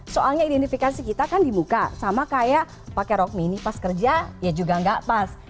soalnya identifikasi kita kan dibuka sama kayak pakai rok mini pas kerja ya juga nggak pas